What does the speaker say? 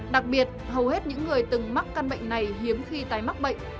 đặc biệt hầu hết những người từng mắc căn bệnh này hiếm khi tái mắc bệnh